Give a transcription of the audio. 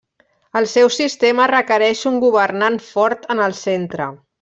El seu sistema requereix un governant fort en el centre.